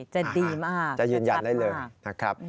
จะดีมากจะยืนยันได้เลยนะครับ